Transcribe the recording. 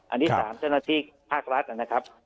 ที่๓เจ้าหน้าที่ภาครัฐนะครับ